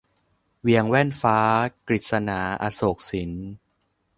เวียงแว่นฟ้า - กฤษณา อโศกสิน